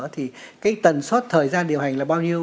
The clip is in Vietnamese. thì cái tần suất thời gian điều hành là bao nhiêu